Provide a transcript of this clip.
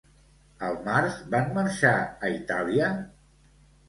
Al març van marxar a Itàlia?